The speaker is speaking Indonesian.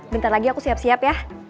bentar lagi aku siap siap ya